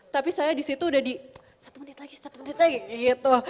tapi saya disitu udah di satu menit lagi satu menit lagi gitu